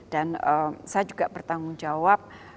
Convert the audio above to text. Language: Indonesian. dan saya juga bertanggung jawab